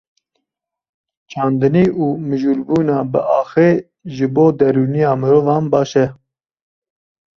Çandinî û mijûlbûna bi axê ji bo derûniya mirovan baş e.